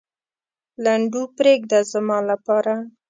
لنډو پرېږده زما لپاره.